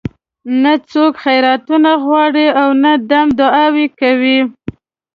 نه څوک خیراتونه غواړي او نه دم دعاوې کوي.